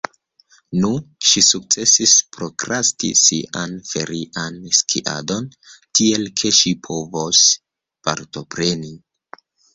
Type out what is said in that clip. Nu, ŝi sukcesis prokrasti sian ferian skiadon, tiel ke ŝi povos partopreni.